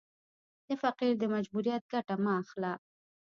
د فقیر د مجبوریت ګټه مه اخله.